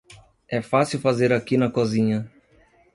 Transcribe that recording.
É fácil fazer aqui na cozinha.